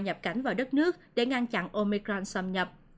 nhập cảnh vào đất nước để ngăn chặn omicron xâm nhập